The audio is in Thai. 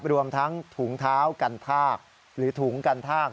รวมทั้งถุงเท้ากันภาคหรือถุงกันทาก